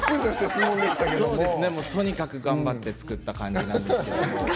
とにかく頑張って作った感じなんですけど。